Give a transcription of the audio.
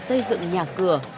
xây dựng nhà cửa